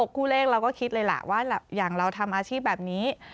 คู่เลขเราก็คิดเลยล่ะว่าอย่างเราทำอาชีพแบบนี้